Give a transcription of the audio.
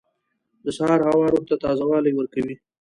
• د سهار هوا روح ته تازه والی ورکوي.